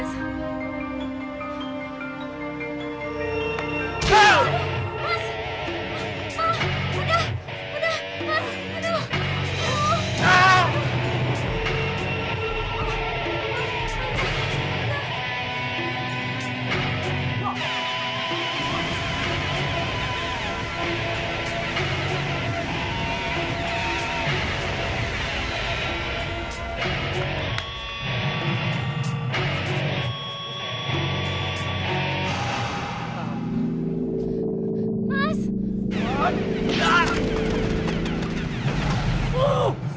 saya sedang mau